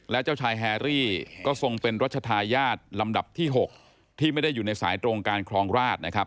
และเจ้าชายแฮรี่ก็ทรงเป็นรัชธาญาติลำดับที่๖ที่ไม่ได้อยู่ในสายตรงการครองราชนะครับ